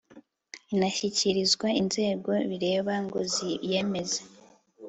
inashyikirizwa inzego bireba ngo ziyemeze